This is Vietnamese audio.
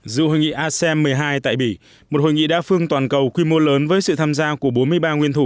dự hội nghị asem một mươi hai tại bỉ một hội nghị đa phương toàn cầu quy mô lớn với sự tham gia của bốn mươi ba nguyên thủ